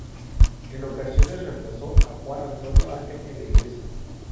En ocasiones reemplazó a Juan Antonio Ángel en la iglesia.